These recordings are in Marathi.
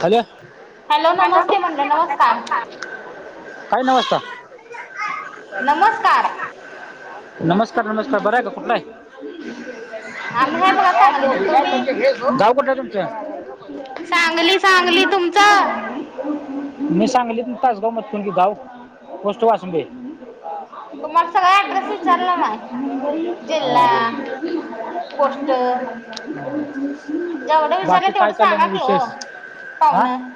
हॅलो! हॅलो नमस्ते म्हणलं नमस्कार [unintelligible] नमस्कार! नमस्कार नमस्कार! बरं आहे का? कुठं आहे? आम्ही हाय बघा सांगलीच. तुम्ही? गाव कुठंल तुमचं? सांगली [inaudible] सांगली तुमचं मी सांगलीतून तासगांव [unintelligible] पोस्ट वासुंदे. तुम्हाला सगळा ऍड्रेस विचारला नाही जिल्हा पोस्ट [inaudible] [inaudible] जेवढं विचारलं, तेवढं सांगा की हो हा पाहुण!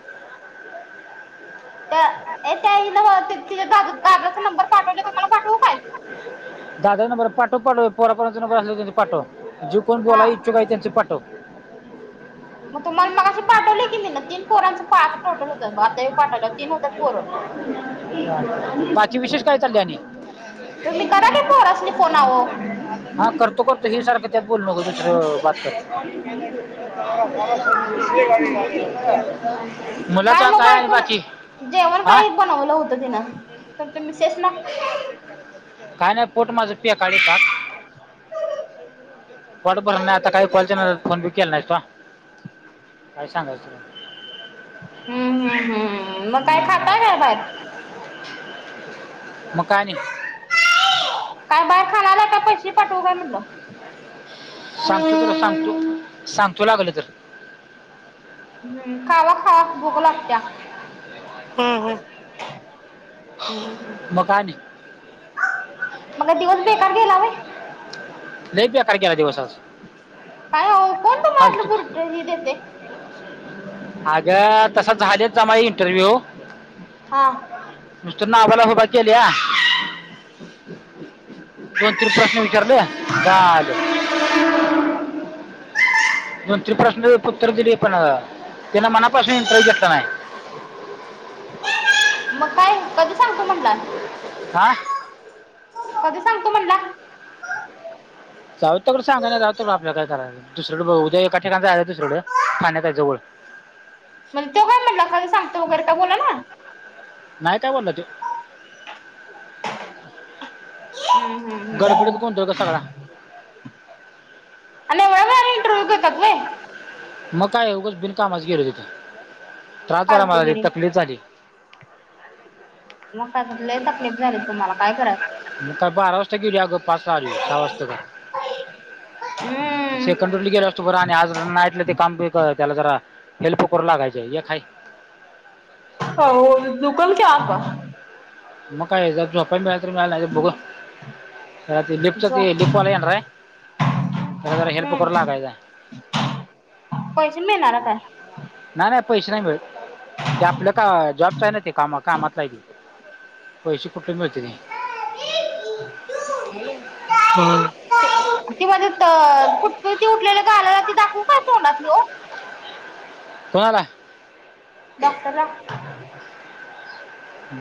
[unintelligible] तिच्या गाग दादाचा नंबर पाठवल तुम्हाला पाठवू काय? दादाचा नंबर पाठव, पण पोरा पोरांचं नंबर असल तरी पाठव, जे कोण हा बोलाय इच्छुक हाय त्यांचं पाठव. मग तुम्हाला मगाशी पाठवले की, मीन तीन पोरांचं पा टोटल होतं. आता पाठवलं तीन होतं पोरं. बाकी विशेष काय चाललंय आणि? [inaudible] तुम्ही करा की पोरासनी फोन अहो हा करतो- करतो. हे सारखं त्यात बोल नको. दुसरं, बाद करतील. [inaudible] काय मग बायकोनं, जेवण हा काय बनवलं होतं तिनं? तुमच्या मिसेसनं. काय नाही पोट माझं पेकाळलय पाक. पोट भरलं नाही. आता काय कॉलच्या नादात फोन बि केला नाहीस त्वा. काय सांगायचय? हम्, हम्, हम्. मग काय आणि? काय बाहेर खाणाराय का? पैसे पाठवू काय म्हणलं. सांगतो तुला, सांगतो. सांगतो लागलं तर. हम्म. खावा- खावा, भुक लागत्या. हम्म. [unintelligible] मग काय, दिवस बेकार गेला व्हय? लई बेकार गेला दिवस आज. फालतू. दही देते. त्या, तसा झाल्यात जमाय इंटरव्यू. हा. नुस्त नावाला हूभा केल्या. दोन- तीन प्रश्न विचारलं. झालं. दोन तरी प्रश्न उत्तर दिली पण, तेनं मनापासून इंटरव्हू घेतला नाही. मग काय? कधी सांगतो म्हणलाय? आ. कधी सांगतो म्हणला? जाऊ तर सांगा ना रावत आपल्या काय करायचंय. दुसरीकडे बघू उद्या. एका ठिकाण जायचा दुसरीकड. ठाण्याताय जवळ. म्हण तो काय म्हणला? काय सांगतो वगैरे का बोला ना. नाही काय बोलला तो? हम्. गडबडीत गोंधळ ग सगळा. आणि एवढा वेळ इंटरव्यू घेतात व्हय? मग काय, उगंच बिनकामाच गेलो तिथं. त्रास झाला मला, लय फालतूगिरी तकलीफ झाली. मग काय तर, लई तकलीफ झाली तुम्हांला. काय करायचं? मग काय, बारा वाजता गेली आगं. पाच [unintelligible] सहा वाजता का? हम्म. सेकंडवरली गेल असतो बर. आणि आज नाईटलं ते काम. त्याला जरा, हेल्प करू लागायचय. एक हाय. हो. दुकल की आता. मग काय, जा झोपाय मिळाल मिळालं नाही तर बघू. लीपच जो ते लीपवालं येणारय. त्याला जरा हेल्प करू हम्म लागायचाय. पैसे मिळणारय का? नाही- नाही पैसे नाही मीळत. ते आपलं का, जॉब काय नाही ते कामा - कामाचाय ती. पैसे कुठलं मिळतेती. [inaudible] हॅलो, हा. ती माझ्यात अ, फुटकुली ती उठलेली गालाला ती दाखवून काय तोंडातली ओ? कुणाला. डॉक्टर ला.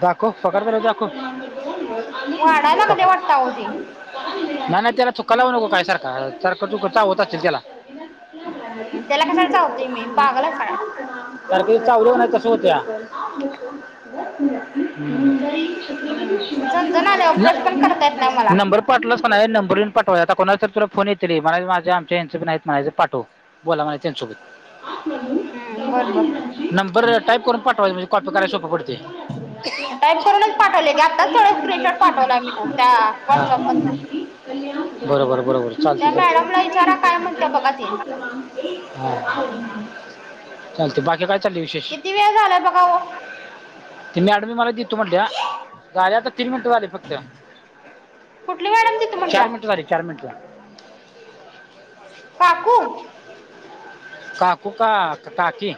दाखव. पगार झाल्यावर दाखव. वाडाय लागल्या वाटतयं आओ ते. नाही-नाही त्याला चुका लावू नको काय, सारख, सारख चुक चावत अशिल त्याला. त्याला कशाला चावते मी पागल आहे साळा सारख चावलं कणी तस होत्या. [unintelligible] हम्म. हम्म, झणजण नालय ओ, ब्रश पण करता येत नाही मला. पाठलं नाय नंबर येऊन पाठव, आता कोणाच तुला फोन येतेली, म्हणाय माझे आमच्या यांचचे पण आहेत. म्हणायच पाठव. बोला म्हणायच त्यांच्या सोबत. हम्म, बर-बर नंबर टाईप करून पटवायचं, म्हजे कॉपी कराय सोपे पडते. टाईप करूनच पाठवले की आत्ताच तेवढा स्क्रीनशॉट पाठवला मी त्या हा. व्हॉट्सअप मधन बरोबर-बरोबर. त्या मॅडमला विचारा, काय म्हणत्या बघा ती. हा, चालते बाकी काय चालल विशेष. किती वेळ झालाय बघा ओ. ते मॅडम मला दित तो म्हणल्या झाली आता तीन मिनिटं झाली फक्त, कुठली मॅडम तिथं म्हटल्या चार मिनटं झाली. चार मिनटन काकू काकू का, काकी.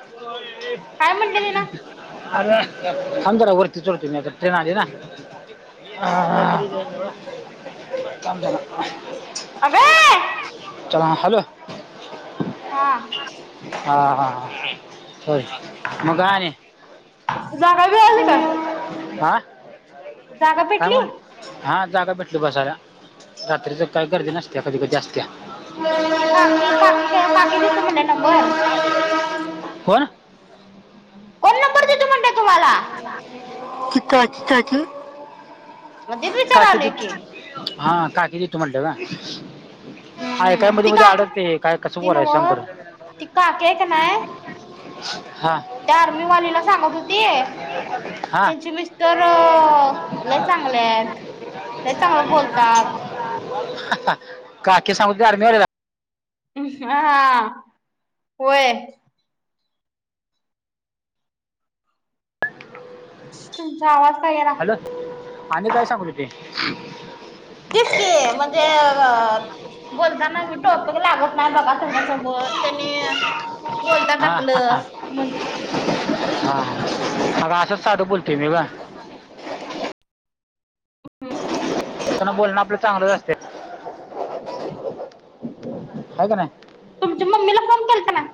काय म्हटले तिनं थांब जरा वरती चोडतो मी, आता ट्रेन आली आहे ना. आ-आ, थांब जरा. अबे चला, हॅलो. हा. हा-हा-हा होय, मग काय आणि? जागा भेट आ, जागा काय भेटली म्हणली? हा जागा भेटल बसाला. रात्रीच काही गरदी नसत्या. कधी-कधी असत्या. ते काकी-काकी, काकी ग देतो म्हणल्या नंबर. कोण? कोण [inaudible] नंबर देतो म्हणल्या तुम्हाला की काय के, मग तेच काकेत विचारालोय की देतो. हा, काकी देतो म्हला, ना. हम्म हाय काय हम्म ती मध्ये-मध्ये काकी अडकते, काय कसं ती बोलायाचं सांग बरं? नव्ह ती काकी आहे का नाही हा. त्या आर्मी वालीला सांगत [inaudible] त्यांची मिस्टर, लई चांगले आहेत. लई चांगले बोलतात. काकी सांगत होती आर्मी वालेला? हा, होय. तुमचा आवाज. का येईना? हॅलो, आणि काय सांगू होती. तेच की, म्हणजे व अ बोलताना मी टॉपिक लागत नाही बघा [unintelligible] म त्याने बोलतात आपलं म्हणत होती. हा, अग असशच साधू बोलते मी ग. ह [inaudible] ह ह ह [inaudible] त्यांना बोलणं आपलं चांगलंच असते आहे का नाही. तुमच्या मम्मीला फोन केलत ना.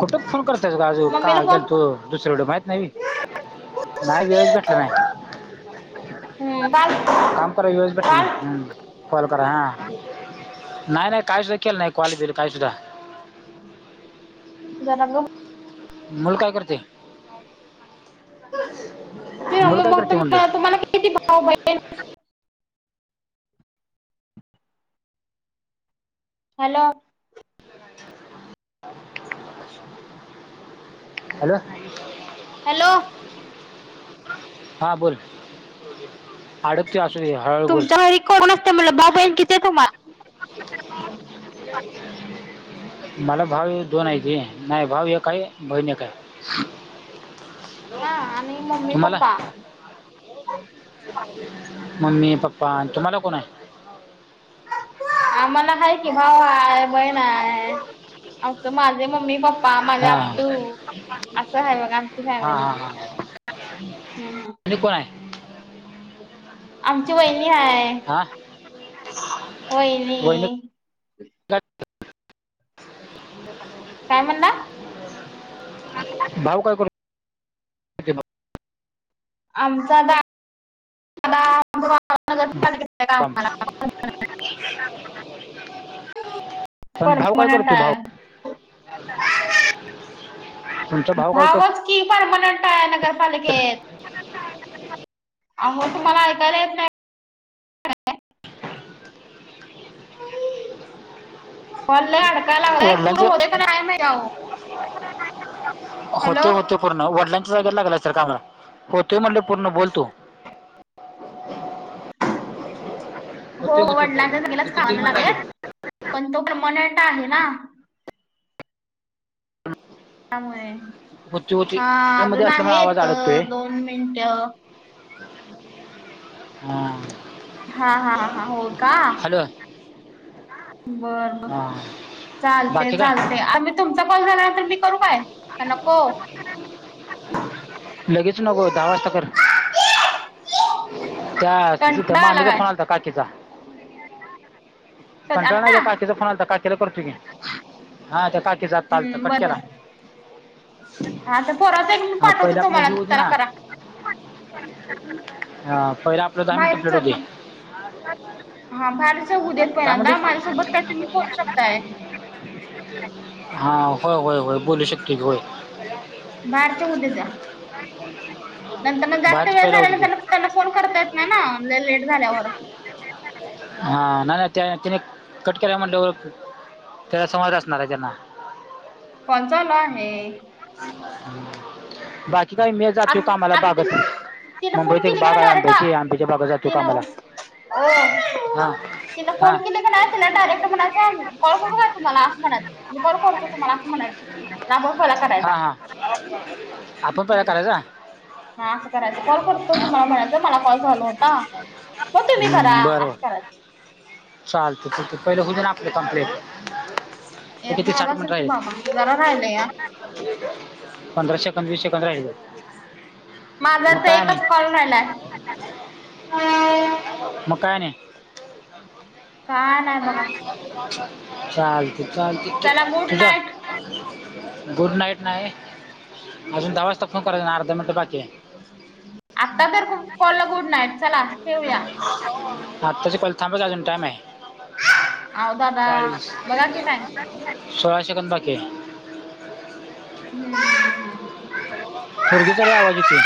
कुठं फोन करताय का आज मम्मीला का गे फोन तू दुसरेकडे माहित नाही होय. नाही वेळच भेटलं नाही. हम्म, बा''--'' काम करा येच भेटलं नाही कॉल करा हा, नाही नाही काही सुद्धा केलं नाही क्वालि बिल काय सुद्धा. जरा ग. मुल काय करते की मुल काय मग करते म्हंडल. तुम्हाला किती भाऊ बहीण. हॅलो, हॅलो, हॅलो, ''हां'' बोल अडकते असूदे हा, तुमचं लय [inaudible] वरी कोण असते म्हला किती तुम्हा [inaudible] मला भाऊ दोन आहे नाही भाऊ एक आहे बहीण एक आहे. हॅलो, हा आणि मम्मी तुम्हाला. पप्पा मम्मी पप्पा तुम्हाला कोण आहे. आम्हाला आहे कि, भाऊ आहे बहीण आहे. असं माझे मम्मी पप्पा. प्पा माझा हां अतू असं आहे बघ आमची फॅमिली. हम्म आणि कोण आहे. आमची वहिणी हाय. ''आं'' वहिनी. काय- काय म्हणला. भाऊ काय करू''--'' आमचा दादा. आ कर काम का [inaudible] परमानंट आहे. आमचा दादा. भावच की, परमानंट आहे करतो तर नगरपालिकेत. अहो तुम्हाला ऐकायला येत नाही काय. फोन लई अडका लागलंय एक वडिलांचे पूरं होते पण आहे ओ. होते होते. पूर्ण वडिलांच्या जागेला लागलाय असल कामाला होतय म्हणल पूर्ण बोल तु. हो होते हो, होते वडलाच्या पूर्ण जागेलाच किती तीन कामाला मिनिट लागलाय राहिले पण तो परमनंट आहे ना. हा त्यामुळे हा मध्ये अजून असल्यामुळे आहेत दोन मिनिटं- हा. हा हा हा हो का हॅलो बरं बर हां चालतय बाकी काय चालतय आम्ही तुमचा कॉल झालं नंतर मी, करू काय का नको [inaudible] लगेच नको दहा वाजता कर. त्या त्या कंटाळा आला मामीचा काय फोन आलता. काकीचा, कधी कंटाळ नाही आत्ता त्या काकीचा फोन आलता काकीचा. तीला करतो की, हा त्या काकीचा आता आलता हम्म कट बर बर केला. हा तर पोराचं एक मी हा पहिल पाठवते आपलं तुम्हाला हे होउदे त्याला ना. करा ह पहिलं आपल दहा मिनटं बाहेरच फ्लेट होउदे. हा बाहेरच होऊ देत काय पहिल्यांदा म्हटलीस? माझ्यासोबत काय तुम्ही करू शकताय हा होय होय होय बोलू शकतोय की होय. बाहेरच्या उद्या दया. [inaudible] नंतर जास्त बाहेरचं वेळ पहिला होते झाल्यानंतर ते त्यांना फोन करता येत नाही लई लेट झाल्यावर. हा नाही नाही त्यानी कट केला म्हंटल्यावर. त्या समज असणार आहे त्यांना. काॅल चालु आहे. ह [inaudible] बाकी काय मी आज जातोय कामाला आता ती बागत तिला फोन मुंबईत एक केली की बाग नाही आहे आंब्याची डायरेक्ट आंब्याच्या बागात जातोय ती कामाला. ओ हां तीन हां फोन केली कणी [inaudible] त डायरेक्ट म्हणायच कॉल करू का तुम्हाला असं म्हणायचं मी कॉल करतो तुम्हाला असं म्हणायच. ना बा फला करायचा हां [inaudible] हां आपण तुया करायचा. ह असं करायचं कॉल करतो तुम्हाला म्हणायचं मला कॉल चालु होता. मग तुम्ही करा हम्म बरोबर. असं करायचं. चालते ल पहिले होऊदे ना आपले कंप्लेट. एक झालं असेल की बाबा जरा राहिलंया. पंधरा सेकंद वीस सेकंद राहिले. माझा मग तर काय आणि एकच कॉल राहिलाय मग काय आणि. काय नाही बघा. चालतंय चालतंय चला गुड ठेऊ का? नाईट. गुड नाईट नाय. अजून दहा वाजता फोन करायचं अर्धा मिनटं बाकी हाय. आत्ता तर खूप कॉल गुड नाईट चला ठेवूया. आताच कॉल थांबू अजून टायम आहे. अहो दादा चाळीस बघा की टाइम सोळासेकंद बाकीे ह्यात. हम्म पोरगीचा लई आवाज येतोय.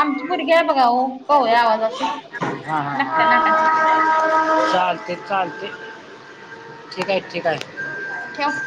आमची पोरगी आहे बघा हो, कोवळ्या आवाजाची नकट्या नाकाची. चालतंय. चालतय ठीक आहे, ठीक आहे. ठेव.